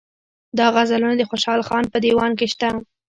دا غزلونه د خوشحال خان په دېوان کې شته.